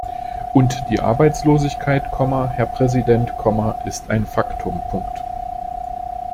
Und die Arbeitslosigkeit, Herr Präsident, ist ein Faktum.